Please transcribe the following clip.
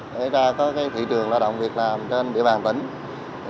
để ra có thị trường lao động việc làm trên địa bàn tỉnh